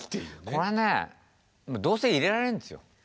これねどうせ入れられるんですよ。